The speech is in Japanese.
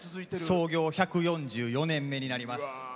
創業１４４年目になります。